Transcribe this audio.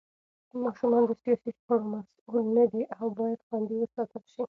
ماشومان د سياسي شخړو مسوول نه دي او بايد خوندي وساتل شي.